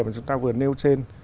mà chúng ta vừa nêu trên